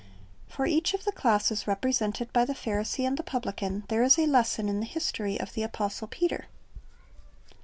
"' For each of the classes represented by the Pharisee and the publican there is a lesson in the history of the apostle Peter.